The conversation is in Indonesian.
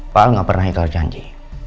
pak al gak pernah ikhlas janji